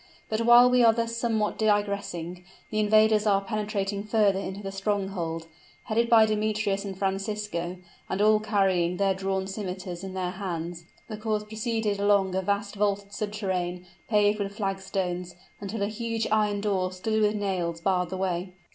But while we are thus somewhat digressing, the invaders are penetrating further into the stronghold. Headed by Demetrius and Francisco, and all carrying their drawn scimiters in their hands, the corps proceeded along a vast vaulted subterrane, paved with flag stones, until a huge iron door, studded with nails, barred the way.